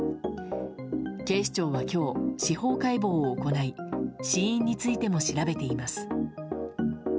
警視庁は今日、司法解剖を行い死因についても調べています。